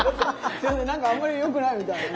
すいません何かあんまりよくないみたいね。